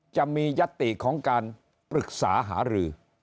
จะมียัตติของการปรึกษาหารือ